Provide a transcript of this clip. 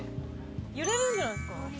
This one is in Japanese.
揺れるんじゃないですか？